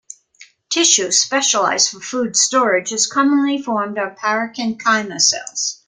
Tissue specialised for food storage is commonly formed of parenchyma cells.